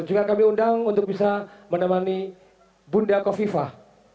juga kami undang untuk bisa menemani bunda kofifah